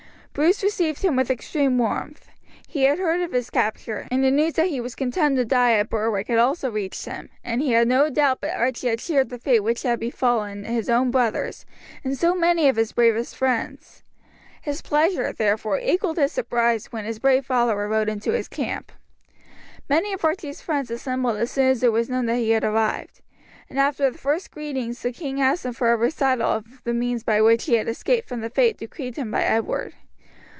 Bruce received him with extreme warmth. He had heard of his capture, and the news that he was condemned to die at Berwick had also reached him, and he had no doubt but Archie had shared the fate which had befallen his own brothers and so many of his bravest friends. His pleasure, therefore, equalled his surprise when his brave follower rode into his camp. Many of Archie's friends assembled as soon as it was known that he had arrived; and after the first greetings the king asked him for a recital of the means by which he had escaped from the fate decreed him by Edward.